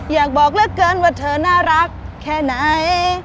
อยากบอกเหลือเกินว่าเธอน่ารักแค่ไหน